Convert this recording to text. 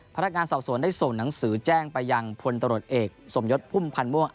พนักงานสอบสวนได้ส่งหนังสือแจ้งไปยังพลตรวจเอกสมยศพุ่มพันธ์ม่วง